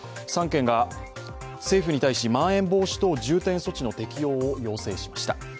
３県が政府に対し、まん延防止等重点措置の適用を要請しました。